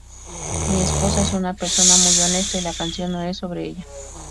Mi esposa es una persona muy honesta, y la canción no es sobre ella.